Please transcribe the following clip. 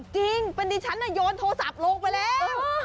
จริงเป็นดิฉันโยนโทรศัพท์ลงไปแล้ว